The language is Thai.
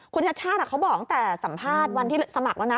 คุณชัดชาติเขาบอกตั้งแต่สัมภาษณ์วันที่สมัครแล้วนะ